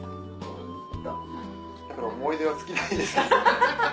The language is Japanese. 思い出は尽きないですね。